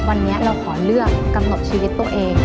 วันนี้เราขอเลือกกำหนดชีวิตตัวเอง